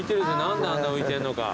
何であんな浮いてんのか。